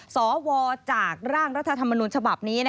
สวจากร่างรัฐธรรมนุนฉบับนี้